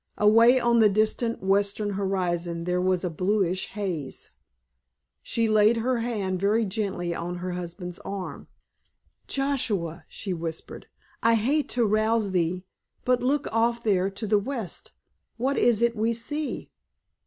Away on the distant western horizon there was a bluish haze. She laid her hand very gently on her husband's arm. "Joshua," she whispered, "I hate to rouse thee, but—look off there to the west; what is it we see?